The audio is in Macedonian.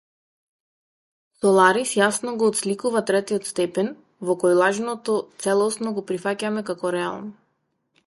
Соларис јасно го отсликува третиот степен, во кој лажното целосно го прифаќаме како реално.